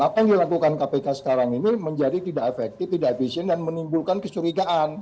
apa yang dilakukan kpk sekarang ini menjadi tidak efektif tidak efisien dan menimbulkan kecurigaan